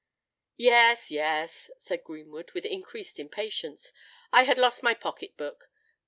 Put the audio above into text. "Yes—yes," said Greenwood, with increased impatience; "I had lost my pocket book.